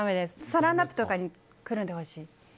サランラップとかにくるんでほしい。